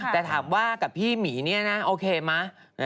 แต่ถามว่ากับพี่หมีเนี่ยนะโอเคไหม